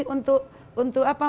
saat mereka berjanji